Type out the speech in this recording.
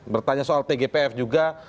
bertanya soal tgpf juga